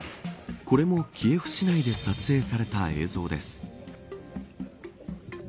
これもキエフ市内で撮影された映像です。